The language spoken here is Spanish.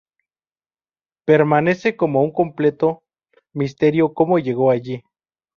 Permanece como un completo misterio como llegó allí.